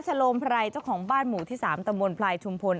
โลมไพรเจ้าของบ้านหมู่ที่๓ตำบลพลายชุมพล